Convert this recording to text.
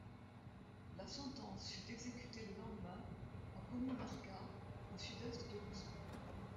La sentence fut exécutée le lendemain à Kommounarka, au sud-est de Moscou.